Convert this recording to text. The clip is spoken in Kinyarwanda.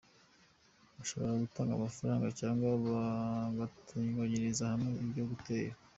Bashobora gutanga amafaranga cyangwa bagateranyiriza hamwe ibyo guteka.